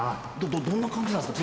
どんな感じなんすか？